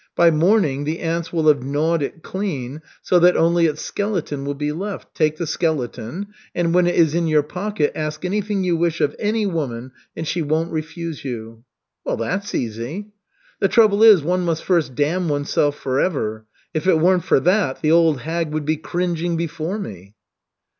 By morning the ants will have gnawed it clean, so that only its skeleton will be left. Take the skeleton, and when it is in your pocket ask anything you wish of any woman, and she won't refuse you." "Well, that's easy." "The trouble is, one must first damn oneself forever. If it weren't for that, the old hag would be cringing before me."